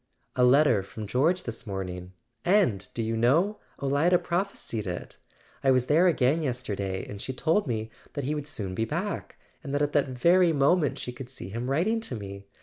"A letter from George this morning! And, do you know, Olida prophesied it ? I was there again yesterday; and she told me that he would soon be back, and that at that very moment she could see him writing to me.